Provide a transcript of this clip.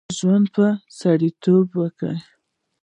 ژوند په سړیتوب وکړه.